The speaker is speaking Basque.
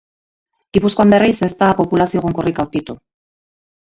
Gipuzkoan, berriz, ez da populazio egonkorrik aurkitu.